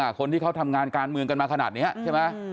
คนที่เขาทำงานการเมืองกันมาขนาดนี้ใช่ไหม